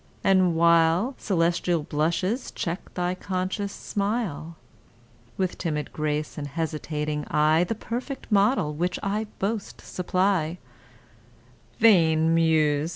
and while Celestial blushes check thy conscious smile. With timid grace and hesitating eye, The perfect model which I boast supply:— Vain Muse!